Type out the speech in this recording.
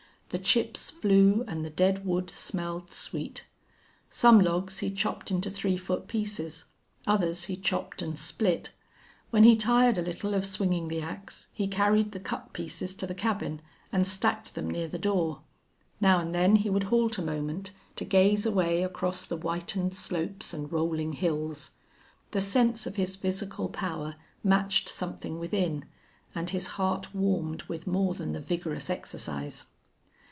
The chips flew and the dead wood smelled sweet. Some logs he chopped into three foot pieces; others he chopped and split. When he tired a little of swinging the ax he carried the cut pieces to the cabin and stacked them near the door. Now and then he would halt a moment to gaze away across the whitened slopes and rolling hills. The sense of his physical power matched something within, and his heart warmed with more than the vigorous exercise.